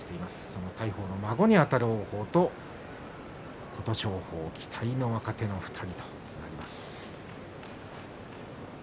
その大鵬の孫にあたる王鵬と琴勝峰、期待の若手になります。